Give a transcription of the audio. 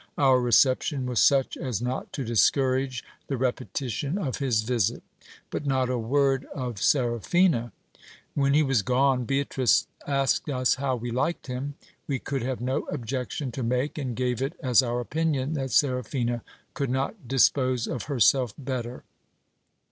Our re ception was such as not to discourage the repetition of his visit ; but not a word of Seraphina ! When he was gone, Beatrice asked us how we liked him. We could have no objection to make, and gave it as our opinion that Seraphina could not dispose of herself better.